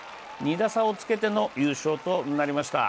２打差をつけての優勝となりました